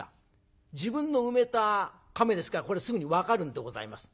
自分の埋めたかめですからこれすぐに分かるんでございます。